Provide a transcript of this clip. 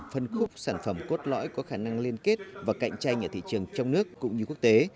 phân khúc sản phẩm cốt lõi có khả năng liên kết và cạnh tranh ở thị trường trong nước cũng như quốc tế